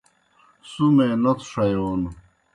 سُمے نوتھوْ ݜیون